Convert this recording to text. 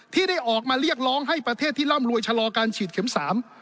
ที่ได้ออกมาเรียกร้องให้ประเทศที่ร่ำรวยชะลอการฉีดเข็มสาม